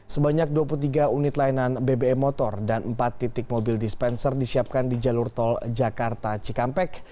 sebanyak dua puluh tiga unit layanan bbm motor dan empat titik mobil dispenser disiapkan di jalur tol jakarta cikampek